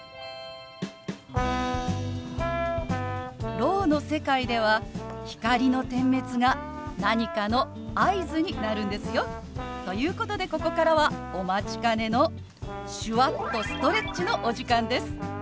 ろうの世界では光の点滅が何かの合図になるんですよ。ということでここからはお待ちかねの手話っとストレッチのお時間です！